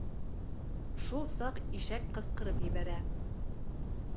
Шул саҡ ишәк ҡысҡырып ебәрә: